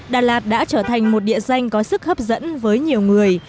đà lạt đã trở thành một địa danh có sức hấp dẫn với nhiều người